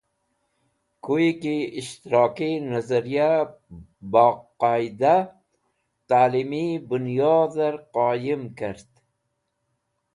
Koyeki Ishtiraki Nazarya Baqoidah Ta’limi buyodher Qoyum Kert.